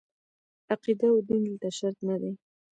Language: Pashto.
عقیده او دین دلته شرط نه دي.